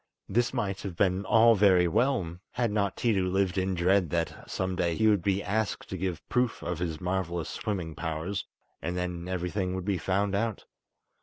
This might have been all very well, had not Tiidu lived in dread that some day he would be asked to give proof of his marvellous swimming powers, and then everything would be found out.